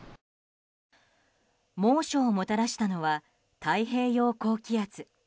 猛暑をもたらしたのは太平洋高気圧。